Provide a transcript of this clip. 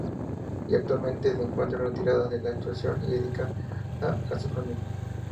Actualmente se encuentra retirada de la actuación y dedicada a su familia.